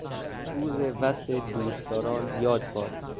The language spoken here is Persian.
روز وصل دوستداران یاد باد